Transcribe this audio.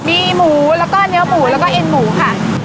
มีหมูแล้วก็เนื้อหมูแล้วก็เอ็นหมูค่ะ